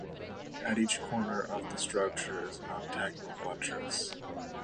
At each corner of the structure is an octagonal buttress.